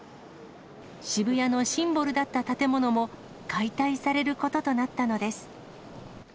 渋谷のシンボルだった建物も、解体されることとなったのです。